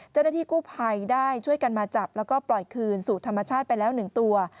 เจ้าหน้าที่กู้ภัยได้ช่วยกันมาจับแล้วก็ปล่อยคืนสู่ธรรมชาติไปแล้ว๑ตัว